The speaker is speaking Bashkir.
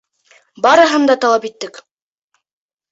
Барыһын да талап иттек.